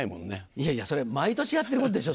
いやいやそれ毎年やってることでしょ。